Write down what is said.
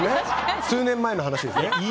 数年前の話ですね。